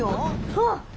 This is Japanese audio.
あっ！